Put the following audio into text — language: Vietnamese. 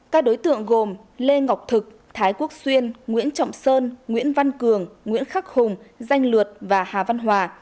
các đối tượng gồm lê ngọc thực thái quốc xuyên nguyễn trọng sơn nguyễn văn cường nguyễn khắc hùng danh lượt và hà văn hòa